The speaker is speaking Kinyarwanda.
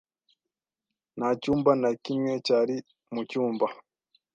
Nta cyumba na kimwe cyari mu cyumba .